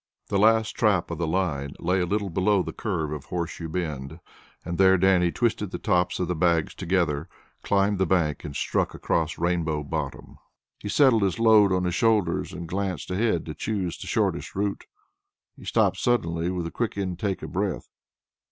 The last trap of the line lay a little below the curve of Horseshoe Bend, and there Dannie twisted the tops of the bags together, climbed the bank, and struck across Rainbow Bottom. He settled his load to his shoulders, and glanced ahead to choose the shortest route. He stopped suddenly with a quick intake of breath.